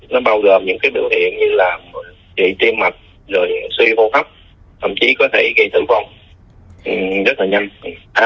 nó bao gồm những cái biểu hiện như là trị tiên mạch rồi suy vô tóc thậm chí có thể gây tử vong rất là nhanh